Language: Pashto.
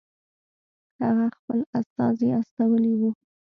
هغه خپل استازی استولی وو.